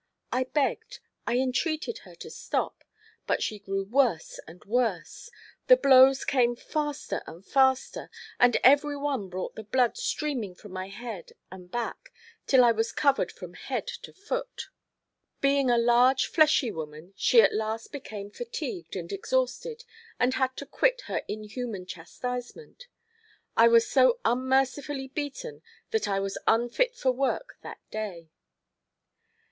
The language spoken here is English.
I begged, I entreated her to stop; but she grew worse and worse. The blows came faster and faster, and every one brought the blood streaming from my head and back till I was covered from head to foot. Being a large, fleshy woman, she at last became fatigued and exhausted, and had to quit her inhuman chastisement. I was so unmercifully beaten that I was unfit for work that day.